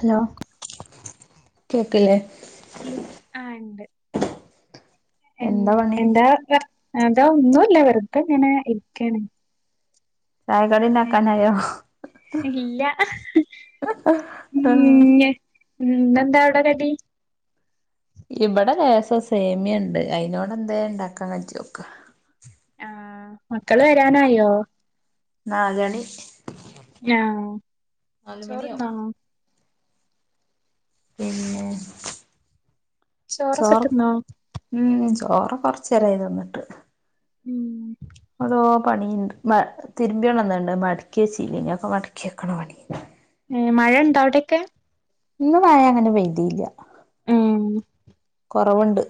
Hello കേക്കില്ലേ ആ ഉണ്ട് എ എന്താ പണി എന്താ എന്താ ഒന്നുമല്ല വെറുത ഇങ്ങനെ ഇരിക്കാണ് ഏ, ചായകഡിണ്ടക്കാനയോ ആഹ ഇല്ല ഉം എന്താ എവിട കടി ഇവിടെ രേസ സേമ്യുണ്ട് അയനോട്ന്താ ഇണ്ടാക്കാൻ കറ്റിോക്ക ആഹ മക്കള് വരാനായോ നാലാണി ഹ ചോർ മണിയാവും ന്നോ പിന്നെ ചോറൊക്കെ തിന്നോ ചോറൊക്കെ കൊറച്ചേരായി തിന്നിട്ട് ഉം പണിയണ്ട് തിരുമ്പിയണന്നുണ്ട് മടക്കിയച്ചീലൊക്കെ മടക്കി വക്കണ പണി മഴ ഉണ്ട അവിടെയൊക്കെ ഇന്ന് മഴ അങ്ങനെ പഴുതിയില്ല ഉം കുറവുണ്ട്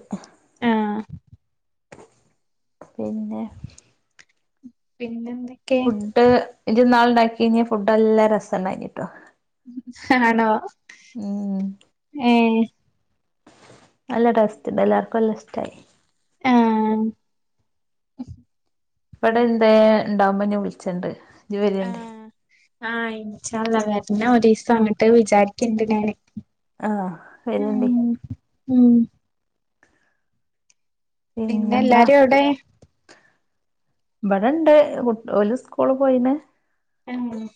ആഹ പിന്നെ പിന്നെ ഫുഡ് ഇജ്ജ് ഇന്നാൾ ണ്ടാക്കീനെ ഫുഡ്‌ നല്ല രസണ്ടായീനി ട്ടോ ആണോ ഉം ഏ നല്ല ടേസ്റ്റ് ണ്ടായി എല്ലർക്കുംനല്ല ഇഷ്ടായി ആഹ ഇവിടെ എന്താ ഇണ്ടാവുമ്പോ വിളിച്ചണ്ട് ഇനി വരണ്ടി ആഹ ഇന്ഷാ അല്ലാഹ് വഞ്ഞ ഒരു ദിവസം അങ്ങിട്ട് വിചാരിക്കണ്ട് ഞാന് ആഹ് വരേണ്ടി ഉ ഉം പിന്നെ പിന്നെന്താ എല്ലാരും അവിടെ ഇവിടെ ഇണ്ട് ഒരു സ്കൂള് പോയിന് ഉം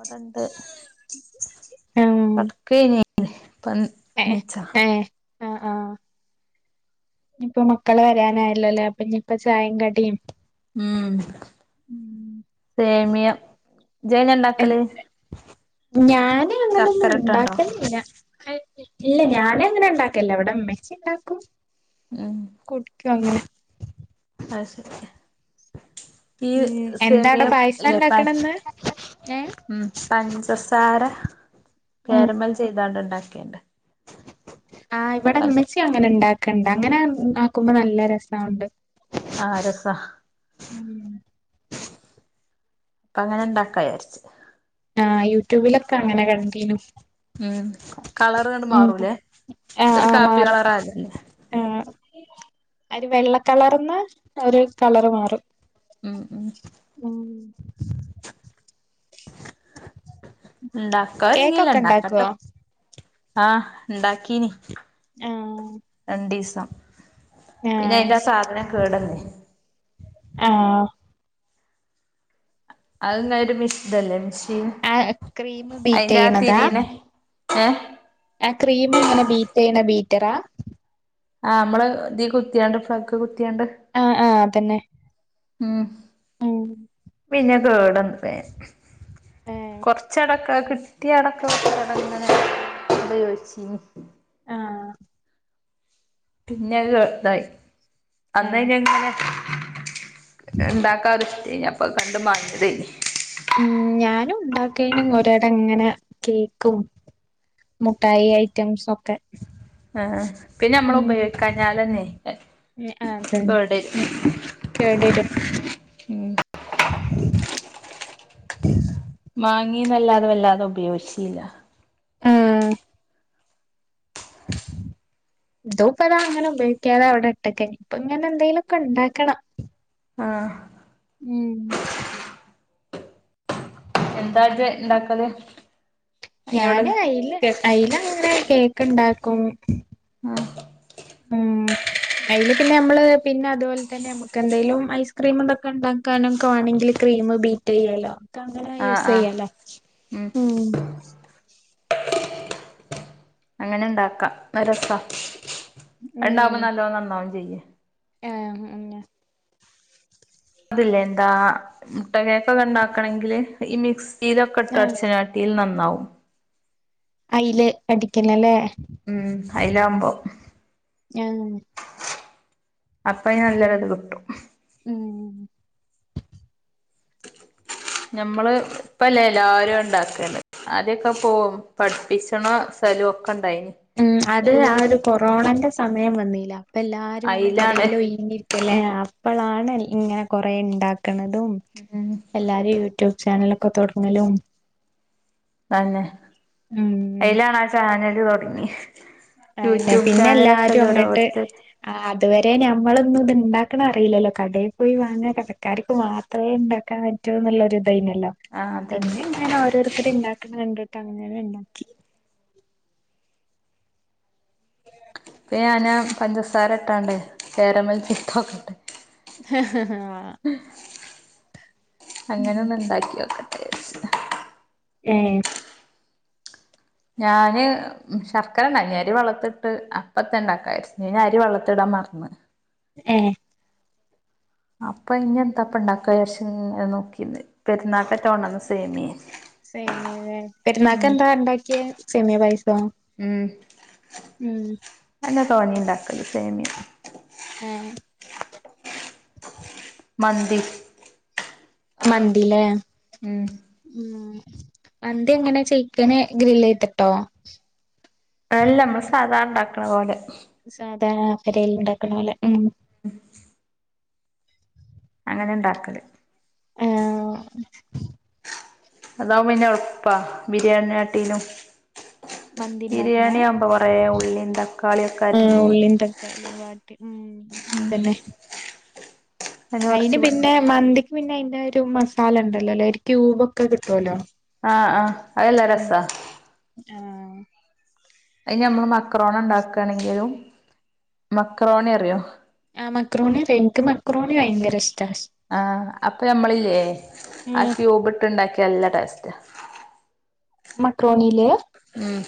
വിടെ ഇണ്ട് ആഹ് കടക്ക അ പ ഏ നീച്ചാ ഇപ്പ മക്കള് വരാനായല്ലോല്ലേ അപ്പൊ ഇനിയിപ്പ ചായ കടിയും ഉം ഉം സെമിയ ജേന ഉണ്ടാക്കല് ഞാന് അങ്ങനൊന്നും ഉണ്ടാക്കുന്നില്ല ഇല്ല ഞാന അങ്ങനെ ഉണ്ടാക്കല്ലോ അവിടെ ഇ മ്മച്ച ഉണ്ടാക്കും ഉം കുടിക്കും അങ്ങനെ അത് ശരി ഈ ഉം എന്താ സെമിയ അവിടെ പായസം ലെപ്പാൻ ഉണ്ടാക്കണന്ന് ഏ ഉം പഞ്ചസാര ഉം കേരമൽ ചെയ്താണ്ട് ഇണ്ടാക്കിയണ്ട് ആ ഇവിടെ മച്ച അങ്ങനെ ഉണ്ടാക്കണ്ട് അങ്ങനെ ആക്കുമ്പോ നല്ല രസമുണ്ട് ആ രസ പ്പ അങ്ങനെ ഇണ്ടാക്കാ വിചാരിച്ച് ആഹ് യൂട്യൂബിലൊക്കെ അങ്ങനെ കിണ്ടീന്നു. ഉം കളറ് ഇങ്ങട് മാറൂലേ ആ ഒര് ആ കാപ്പി മാറും കളറായതല്ലേ അര് വെള്ള കളര്ന്ന് ഒരു കളറ് മാറും ഇം ഇം ഉം ഇണ്ടാക്കല് [unintelligible] കേക്കൊക്കെ ഇണ്ടാക്കട്ടോ ഉണ്ടാക്കുവോ ആഹ് ഇണ്ടാക്കീനി ആഹ് രണ്ടീസം പിന്നെ ആഹ് അയിന്റെ ആ ശരി സാധനം കേട്ന്ന് ആഹ് അതിന്ന് ഒരു മിഷ്തല്ലേ മിഷീൻ ആ ക്രീം ബീറ്റ് അയിന്റെ ആ ചെയ്യണതാ തിരിയണെ ഏഹ് ആ ക്രീം ഇങ്ങനെ ബീറ്റ് ചെയ്യണ ബീറ്ററാ ആഹ് അമ്മള് ഇതീ കുത്തിയാണ്ട് ഫ്ലഗ്ഗ് കു ആഹ് ആഹ് അതന്നെ ഉം ഉം പിന്നെ [unintelligible] ഏഹ് കൊറച്ചെട ക്ക് കിട്ടിയ എടക്ക് [unintelligible] ഇങ്ങനെ ഉപയോഗിച്ചീനി ആഹ് പിന്നെ [unintelligible] അന്ന് ഏഹ് പിന്നങ്ങനെ ഇണ്ടാക്കാതെ [unintelligible] കണ്ട് [unintelligible] ഉം ഞാനും ഉണ്ടാ ക്കെയ്നു ഒരെട ഇങ്ങനെ കേക്കും മുട്ടായി ഐറ്റംസ് ഒക്കെ ആഹ് പിന്നെ നമ്മള് ഉം ഉപയോഗിക്കാഞ്ഞാലന്നെ കേട്വരും കേട്വരും മാങ്ങിന്നല്ലാതെ വല്ലാതെ ഉപയോഗിച്ചില്ല ആഹ് ഇതു ഇപ്പ അതാ അങ്ങനെ ഉപയോഗിക്കാതെ അവിടെ ഇട്ടെക്കെ ഇപ്പ ഇങ്ങനെ എന്തെങ്കിലും ഒക്കെ ഇണ്ടാക്കണം. ആഹ് ഉം എന്താ ഇജ്ജ് ഇണ്ടാക്കല്? അയിനോട് ഞാന് ഇല്ല കേ അയിൽ അങ്ങനെ കേക്ക് ഉണ്ടാക്കും ഉം അതില് പിന്നെ നമ്മള് പിന്നെ അതുപോലെ തന്നെ നമുക്ക് എന്തേലും ഐസ്ക്രീമ് എന്തൊക്കെ ഉണ്ടാക്കാനൊക്കെ വേണെങ്കിൽ ക്രീം ബീറ്റ് ചെയ്യാല്ലോ ഒക്കെ അങ്ങനെ ആഹ് യൂസ് ആഹ് ചെയ്യാല്ലോ ഉം അങ്ങനെ ഉണ്ടാക്കാം അത് രസവാ അതൊണ്ടാവുമ്പോ ഉം നല്ലോണം നന്നാവും ചെയ്യും ആഹ് അങ്ങനെ അതില്ലേ എന്താ മുട്ട കേക്കൊക്കെ ഉണ്ടാക്കണങ്കില് ഈ മിക്സ് തീയിലൊക്കെ ആഹ് ഇട്ട് [unintelligible] നന്നാവും അയില് അടിക്കണല്ലേ ഉം അയിലാവുമ്പോ ആഹ് അപ്പ നല്ലൊരു ഇത് കിട്ടും ഉം നമ്മള് ഇപ്പല്ലെ എല്ലാവരും ഉണ്ടാക്കല് ആദ്യൊക്കെ പോകും പഠിപ്പിച്ചണ സ്ഥലവൊക്കെ ഉം അത് ആ ഒരു കൊറോണന്റെ സമയം വന്നില്ലേ അപ്പൊ എല്ലാരും ഇങ്ങനെ അയിലാണ് പെരയില് വെയിഞ്ഞിരിക്കല്ലേ അപ്പളാണ് ഇങ്ങനെ കൊറേ ഉണ്ടാക്കണതും ഉം എല്ലാരും യൂട്യൂബ് ചാനല് ഒക്കെ തുടങ്ങലും തന്നെ ഉം അതിലാണ് ആ ചാനല് തുടങ്ങിയത് അത് തന്നെ പിന്നെ എല്ലാരും അങ്ങോട്ട് ഓരോരുത്തർ അതുവരെ ഞ മ്മളൊന്നും ഇത്ണ്ടാക്കണ അറിയില്ലല്ലോ കടയിൽ പോയി വാങ്ങാ കടക്കാർക്ക് മാത്രമേ ഉണ്ടാക്കാൻ പറ്റൂന്നുള്ളൊരു ത് ല്ലോ ആ അതന്നെ പിന്നെ ഇങ്ങനെ ഓരോരുത്തർ ഇണ്ടാക്കുന്ന കണ്ട് ട്ടങ്ങനെ ണ്ടാക്കി ഞാനാ പഞ്ചസാര ഇട്ടാണ്ടേ കേരമൽ [unintelligible] [inaudible] ഹ് ഹ് വാ അങ്ങനെയൊന്ന് ഉണ്ടാക്കിയോക്ക്‌ ടേസ്റ്റ് ഏഹ് ഞാന് ശർക്കരക്കഞ്ഞി അരി വെള്ളത്തിട്ട് [unintelligible] അപ്പ തന്നെ ഇണ്ടാക്ക അരി വളത്തിടാൻ മറന്ന് ഏഹ് അപ്പം ഇനി എന്തപ്പം ഉണ്ടാക്കാ വിചാരിച്ച് ഇങ്ങനെ നോക്കിട്ട് പെരുന്നാളിന് കൊണ്ട് വന്ന സേമിയ സേമിയ അല്ലേ പെരുന്നാൾക്ക് എന്താ ഉണ്ടാക്കിയെ സേമിയ പായസ ഉം ഏഹ് മന്തി മന്തി ല്ലേ ഉം ഉം മന്തി എങ്ങനെ ചിക്കന് ഗ്രില് ചെയ്തിട്ടോ കിട്ടണപോലെ സാധാരണ പേരേല് ഉണ്ടാക്കണ പോലെ ഉം ഉം [inaudible] അങ്ങനെ ഇണ്ടാക്കല് ആഹ് അതാവുമ്പം പിന്നെ എളുപ്പാ ബിരിയാണിയാട്ടിലും മന്തി ഇണ്ടാക്കണേ ബിരിയാണി ആവുമ്പോ കൊറേം ഉള്ളി തക്കാളിയൊക്കെ ആ അരിഞ്ഞ് ഉള്ളിയും തക്കാളിയും വാട്ടി ഉം അതന്നെ ആ [inaudible] അയിന് പിന്നെ മന്തി പിന്നെ അതിന്റെ ഒരു മസാല ഉണ്ടല്ലോ അല്ലേ ഒരു ക്യൂബ് ഒക്കെ കിട്ടുവല്ലോ ആഹ് ആഹ് അതല്ലാ ഉം രസാ ആഹ് അയ് ഞമ്മള് മക്രോണി ഇണ്ടാക്കാണെങ്കിലും മക്രോണി അറിയോ ആ മക്രോണി അറിയാം എനിക്ക് മക്രോണി ഭയങ്കര ഇഷ് ആഹ് അപ്പൊ ഞമ്മളില്ലേ ആ ഉം ക്യൂബ് ഇട്ടുണ്ടാക്കി നല്ല ടേസ്റ്റാ മക്രോണീല് ഉം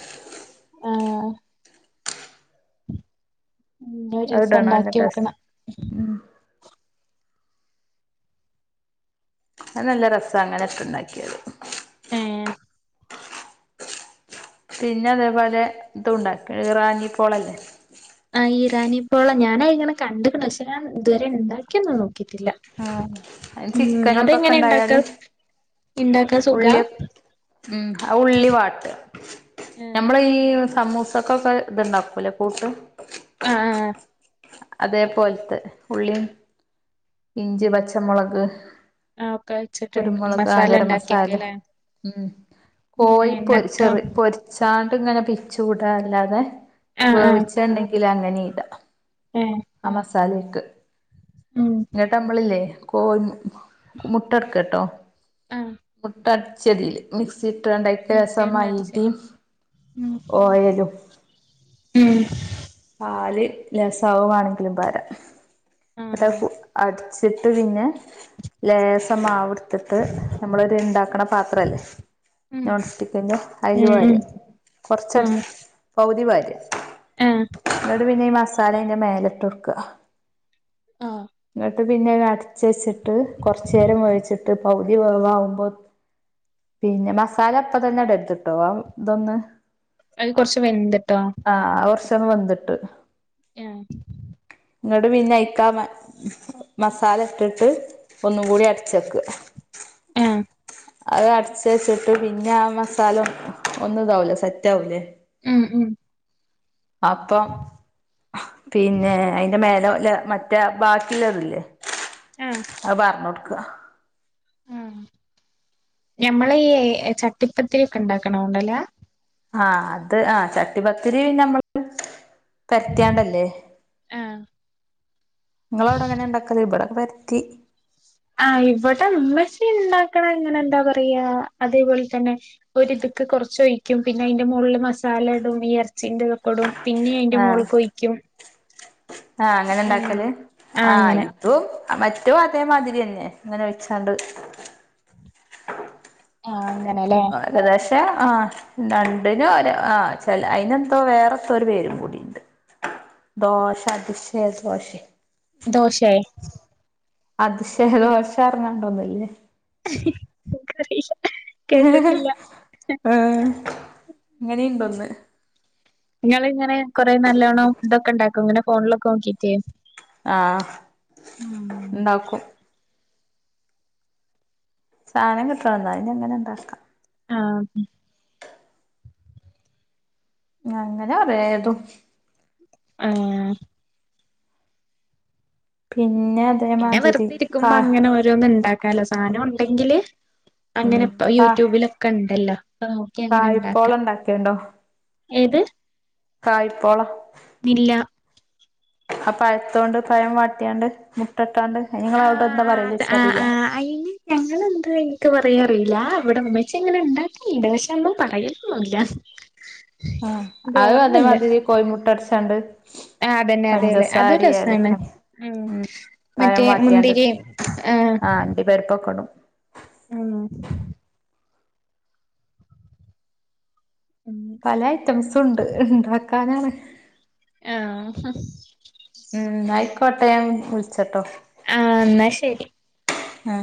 ഉം ഇനി ഒരീസം അതിടണം നല്ല ഉണ്ടാക്കി ടേസ്റ്റ് നോക്കണം ഉം അത് നല്ല രസാ അങ്ങനെ ഇട്ട് ഉണ്ടാക്കിയത് ഏഹ് പിന്നെ അതേപോലെ ഇതു ഉണ്ടാക്ക് ആഹ് ഇറാനി പ്പോള ഞാന് അയിനെ കണ്ടിക്കണു പക്ഷെ ഞാൻ ഇതുവരെ ഉണ്ടാക്കി നോ ആഹ് അയിന് ചിക്കന് ഇതൊക്കെ അതെങ്ങനെ ഇണ്ടാക്കാ ഉണ്ടായാല് ഇണ്ടാക്കാൻ സുഖാ ഉള്ളി ഉം ആ ഉള്ളി വാട്ടാ ആഹ് നമ്മള് ഈ സമൂസക്കൊക്കെ ഇത് ഉണ്ടാക്കൂലേ കൂട്ട് ആ ആഹ് അതേപോലത്തെ ഉള്ളിയും ഇഞ്ചി പച്ചമുളക് ആഹ് ഒക്കെ വെച്ചിട്ട് കുരുമുളക് ആ മസാല ഗരം മസാല ഉണ്ടാക്കിയേക്കല്ലേ ഉം കോയി പൊരി എന്നിട്ടോ ചെറ് പൊരിച്ചാൻ ട്ട് ഇങ്ങനെ പിച്ചുടാഅല്ലാതെ ആഹ് ആഹ് വേവിച്ചെ ഉണ്ടേൽ അങ്ങനെ ഇടാം ഏ ആ മസാല ഇട്ട് ഉം എന്നിട്ട് ഞമ്മളില്ലേ കോ മുട്ടടുക്ക ട്ടോ ആ ട്ട അടിച്ചതില് മിസ് [unintelligible] മിക്സിയിട്ട് അടിച്ച് മൈദിയും ഓയലും ഉം ലസാവുവാണെങ്കിലും പരാ ആ പക്ഷെ അത് ഫു അടച്ചിട്ട് പിന്നെ ലേസം ആവൃ ത്തിട്ട് നമ്മളൊരു ഉണ്ടാക്കണ പാത്രല്ലേ ഉം ഞോിക്കഞ്ഞ ഉം അയുവാര്യ ഉം കുറച്ചടൗ ആ എന്നോട് പിന്നെ ഈ മസാലയിന്റെ മേലട്ട് ഉർക്ക ആഹ് ഇങ്ങോട്ട് പിന്നെ അടച്ച് വെച്ചിട്ട് കുറച്ചു നേേരം മേഴിച്ചിട്ട് പൗുതി വവാകുമ്പോ പിന്നെ മസാല അപ്പ തന്നെ ഇടെ എടുത്തിട്ടോ ഇതൊന്ന് അത് കൊറച്ച് വെതിട്ടാ വന്നട്ട് ഉം ഇങ്ങോട്ട പിന്നെയിക്കാമ മസാല ഇട്ടിട്ട് ഒന്ന കൂടി അടച്ചെക്ക ആഹ അത് അടച്ച വച്ചിട്ട് പിന്നെ ആ മസാല ഒന്നും ഇതാവലേ സെറ്റ് ആാവൂലേ ഉം ഉം അപ്പം പിന്നെ അയിന്റെ മേലല്ല മറ്റേ ബാക്കിയുള്ളതുംല്ലേ ആ പറഞ്ഞ കൊടുക്ക ആ ഞമ്മള ഈ ചട്ടിപ്പത്തിൊക്കെ ഉണ്ടാക്കണോണ്ടല്ലാ ആഹ അത് ആഹ ചട്ടി പത്തിരി പിന്ന നമ്മള് പരത്തിയാണ്ടല്ലേ നിങ്ങ അവിടെ അങ്ങനെ ഉണ്ടാക്കല്ല ഇവിടെക്കെ പര പക്കി ആ് ഇവിടെ അമ്മശ ഉണ്ടാക്കണം ഇങ്ങനെ എന്താ പറയാ അതേപോലെ തന്നെ ഒരു െ കുറച്ചൊഴിക്കും പിന്നെ അതിന്റെ മുകളിൽ മസാല ഇടും ഈ ഇറച്ചീന്റെൊക്കെ ഇടും പിന്നെ അയിന്റെ മോൾ കൊൊഴിക്കും ആഹ അങ്ങനെ ഇണ്ടാക്കല്േ ആ ആഹ് അങ്ങനെ ഇപ്പ മറ്റോ അതേമാതിരി തന്നെ ഇങ്ങനെ വച്ചാണ്ട് ആഹ് ആ കതാശ പക്ഷേ ആ രണ്ടിിനോ ഒ ആ ച അതിനെന്തോ വേറെത്ത ഒരു പേരും കൂടിണ്ട് ദോഷാ ദിശേ ദോഷേ ദോശയ അതിശദോഷം ഇറങ്ങാണ്ടന്നല്ലേ [inaudible] കേട്ടിട്ടില്ല ആഏ അങ്ങനെുണ്ട ഒന്ന് നിങ്ങിങ്ങെറെേ നല്ലോണ്ണം ഇതൊക്കെ ഉണ്ടാക്കും ഇങ്ങനെ ഫോണിലൊക്കെ നോക്കിട്ടേ ആഹ ആഹ് ഉണ്ടാക്കും സാധനം കിട്ടണം എന്നാ ഇ അങ്ങനെ ഉണ്ടാക്കാം ആഹ അങ്ങനെ പറയാത് ആഹ് പിന്നെ പിന്നെ അതേമാതിരി വെറുത കാ ഇരിക്കുമ്പോ അങ്ങനെ ഓരോന്നും ഇണ്ടാക്ക കലസാധനം ഉണ്ടെങ്കില് അങ്ങനെപ്പ യൂട്യൂബിലൊക്കെ ഉണ്ടല്ലോ അപ്പൊ നോക്കി ആഹ അങ്ങനെ ഇപ്പോൾ ഉണ്ടാക്കാം എണ്ടാക്കിയണ്ടോ ഏത് കായ്പള നില്ല ആ പഴത്തോൊണ്ട് പയം വാട്ടിയാണ്ട് മുട്ട ആ ആ് അ ആ ആ് അന് ഞങ്ങെന്താ എനിക്ക് പറയാം അയില്ല ഇവിടെ ഉമ്മേച്ച എങ്ങനെ ഉണ്ടാക്കി ഇടവശന്നും പറയലൊന്നുമില്ല ആ അതും അതേമാതിരി കോഴിമുട്ട അടച്ചാണ്ട് ആഹ് അതന്നെ അതെ അതെ അതൊരു പഞ്ചസാരിയല്ലേ രസാണ് ഉം ഉ പഴം മറ്റേ വാട്ടിയാണ്ട മുന്തിരിയും ആഹ ആണ്ടി പെർപ്പക്കടും ആ ഉം പല ഐറ്റംസുണ്ട് ഇണ്ടാക്കാനാണ് ആഹ് ഉം ആയിക്കോട്ടെ വിളിച്ചട്ടോ ആ എന്നാ ശരി [unintelligible] ഹാ